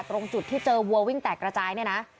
ตรงจุดที่เจอวัววิ่งแตกกระจายเนี่ยนะ